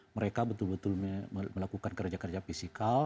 mereka betul betul melakukan kerja kerja fisikal